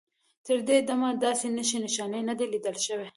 تر دې دمه داسې نښې نښانې نه دي لیدل شوي.